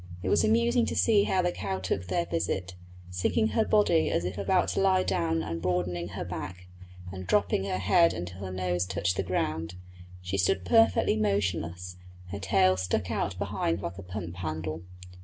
It was amusing to see how the cow took their visit; sinking her body as if about to lie down and broadening her back, and dropping her head until her nose touched the ground, she stood perfectly motionless, her tail stuck out behind like a pump handle.